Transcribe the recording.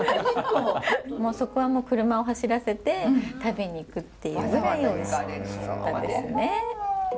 もうそこは車を走らせて食べに行くっていうぐらいおいしかったですね。